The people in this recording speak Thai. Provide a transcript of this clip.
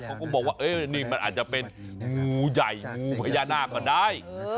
เขาก็บอกว่านี่มันอาจจะเป็นงูใหญ่งูพญานาคก็ได้